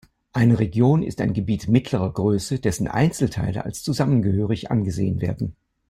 Eine Region ist ein Gebiet mittlerer Größe, dessen Einzelteile als zusammengehörig angesehen werden.